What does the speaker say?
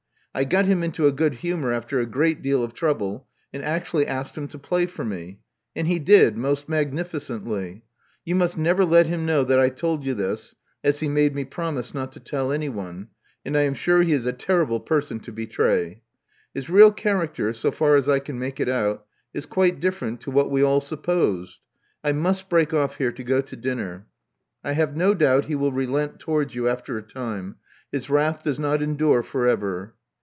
I got him into a j;ood iuimor after a great deal of trouble, and actually asked him to play for me; and he did, most mag nitioently. Vou must never let him know that I told you this, as he made me promise not to tell anyone; iuul 1 am sure he is a terrible person to betray. His real eharaeter — so far as I can make it out — ^is quite ditVerent to what we all supposed. — I must break oflE here to go to dinner. I have no doubt he will relent towanls you after a time: his wrath does not endure for ever.